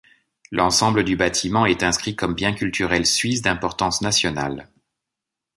L'ensemble du bâtiment est inscrit comme bien culturel suisse d'importance nationale.